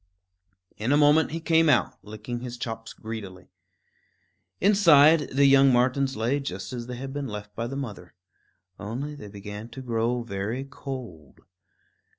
In a moment he came out, licking his chops greedily. Inside, the young martens lay just as they had been left by the mother; only they began to grow very cold.